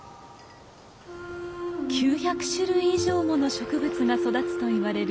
９００種類以上もの植物が育つといわれる尾瀬。